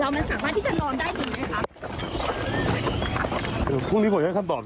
เรามันสามารถที่จะนอนได้จริงไหมครับ